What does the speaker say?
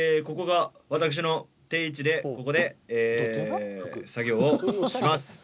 ここが私の定位置でここで作業をします。